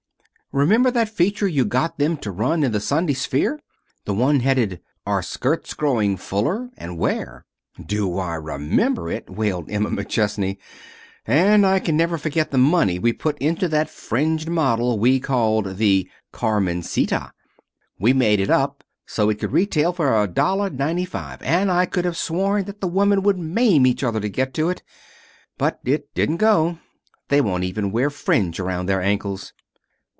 "Remember that feature you got them to run in the Sunday Sphere? The one headed 'Are Skirts Growing Fuller, and Where?'" "Do I remember it!" wailed Emma McChesney. "And can I ever forget the money we put into that fringed model we called the Carmencita! We made it up so it could retail for a dollar ninety five, and I could have sworn that the women would maim each other to get to it. But it didn't go. They won't even wear fringe around their ankles."